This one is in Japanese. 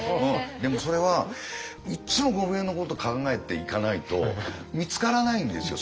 でもそれはいっつもゴムヘビのこと考えていかないと見つからないんですよ